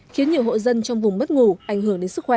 khiến nhiều hộ dân trong vùng mất ngủ ảnh hưởng đến sức khỏe